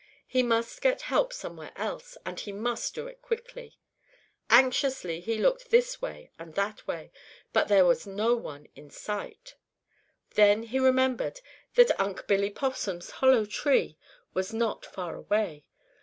He must get help somewhere else, and he must do it quickly. Anxiously he looked this way and that way, but there was no one in sight. Then he remembered that Unc' Billy Possum's hollow tree was not far away.